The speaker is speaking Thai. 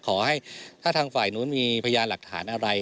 ขอให้ถ้าทางฝ่ายนู้นมีพยานหลักฐานอะไร